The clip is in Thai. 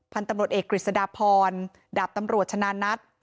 พันธุ์ตำรวจเอกกฤษฎาพรดาบตำรวจชนะนัท